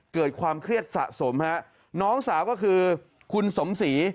เกิดความเครียดสะสมฮะน้องสาวก็คือคุณสมศรี